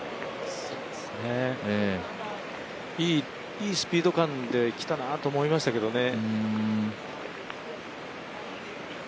いいスピード感できたなと思いましたけどね。